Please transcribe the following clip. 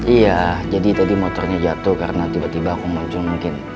iya jadi tadi motornya jatuh karena tiba tiba aku muncul mungkin